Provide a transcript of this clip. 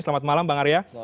selamat malam bang arya